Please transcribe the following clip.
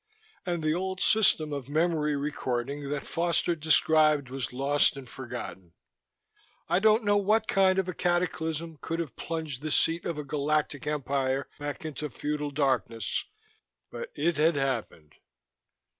And the old system of memory recording that Foster described was lost and forgotten. I didn't know what kind of a cataclysm could have plunged the seat of a galactic empire back into feudal darkness but it had happened.